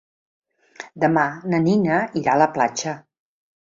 Demà na Nina irà a la platja.